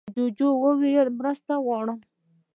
جوجو وویل مرسته غواړم.